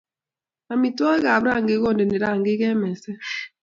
Amitwogikap rangik kondeni rangik eng meset